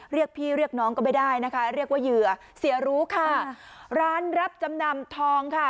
เรียกพี่เรียกน้องก็ไม่ได้นะคะเรียกว่าเหยื่อเสียรู้ค่ะร้านรับจำนำทองค่ะ